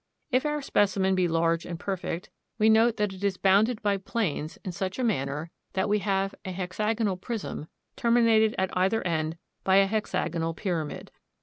If our specimen be large and perfect, we note that it is bounded by planes in such manner that we have a hexagonal prism terminated at either end by a hexagonal pyramid.